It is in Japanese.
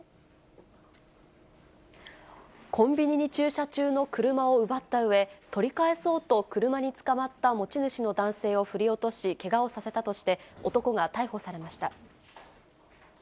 コンビニに駐車中の車を奪ったうえ、取り返そうと車につかまった持ち主の男性を振り落としけがをさせたとして、男が逮捕されました。